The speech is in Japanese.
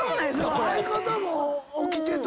⁉相方も「起きて」とか。